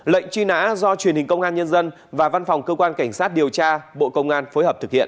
lệnh truy nã do truyền hình công an nhân dân và văn phòng cơ quan cảnh sát điều tra bộ công an phối hợp thực hiện